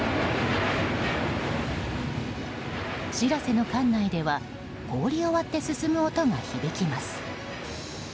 「しらせ」の艦内では氷を割って進む音が響きます。